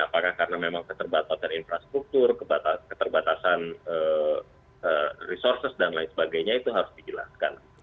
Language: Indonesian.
apakah karena memang keterbatasan infrastruktur keterbatasan resources dan lain sebagainya itu harus dijelaskan